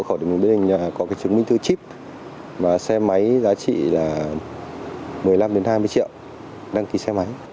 thuê xe có được chứng minh thư chip và xe máy giá trị là một mươi năm đến hai mươi triệu đăng ký xe máy